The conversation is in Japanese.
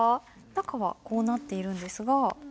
中はこうなっているんですが。